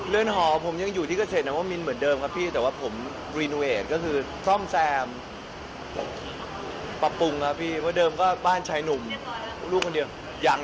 เราทำบ้านเสร็จก่อนแล้วค่อยมีน้อง